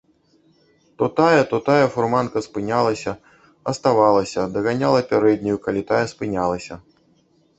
То тая, то тая фурманка спынялася, аставалася, даганяла пярэднюю, калі тая спынялася.